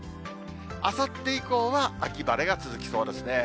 あさって以降は秋晴れが続きそうですね。